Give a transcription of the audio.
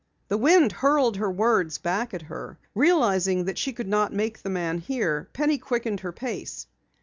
The wind hurled her words back at her. Realizing that she could not make the man hear, Penny quickened her pace.